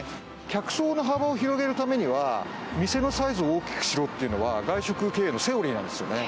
客層の幅を広げるためには店のサイズを大きくしろっていうのは外食経営のセオリーなんですよね